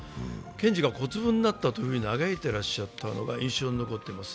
検事が小粒になったというふうに嘆いてらっしゃったのが印象に残ってます。